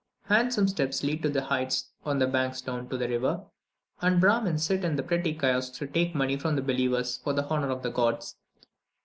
Handsome steps lead from the heights on the banks down to the river, and Brahmins sit in pretty kiosks to take money from believers for the honour of the gods.